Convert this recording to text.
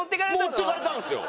持っていかれたんですよ。